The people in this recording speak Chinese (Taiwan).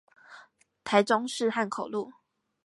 台中市漢口路